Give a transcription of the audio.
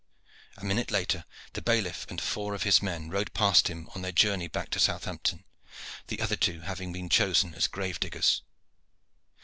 A minute later the bailiff and four of his men rode past him on their journey back to Southampton, the other two having been chosen as grave diggers.